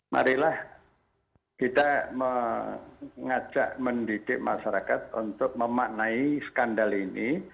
marilah kita mengajak mendidik masyarakat untuk memaknai skandal ini